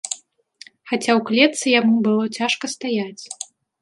Хаця ў клетцы яму было цяжка стаяць.